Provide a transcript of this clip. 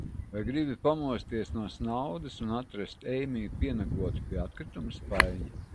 Vai gribi pamosties no snaudas un atrast Eimiju pienaglotu pie atkritumu spaiņa?